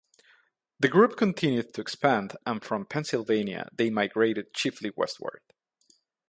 The group continued to expand and from Pennsylvania, they migrated chiefly westward.